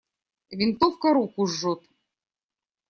Винтовка руку жжет.